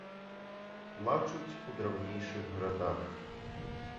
Плачуць у драбнейшых гарадах.